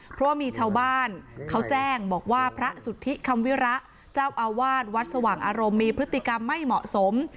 เพราะว่ามีชาวบ้านเขาแจ้งบอกว่าพระสุทธิคำวิระเจ้าอาวาสวัดสว่างอารมณ์มีพฤติกรรมไม่เหมาะสม